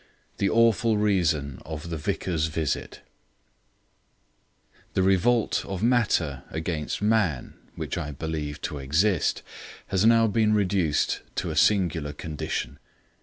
The Awful Reason of the Vicar's Visit The revolt of Matter against Man (which I believe to exist) has now been reduced to a singular condition.